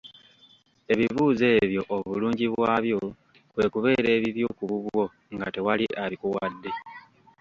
Ebibuuzo ebyo obulungi bwabyo, kwe kubeera ebibyo ku bubwo nga tewali abikuwadde.